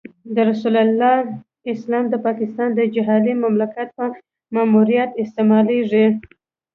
د رسول الله اسلام د پاکستان د جعلي مملکت په ماموریت استعمالېږي.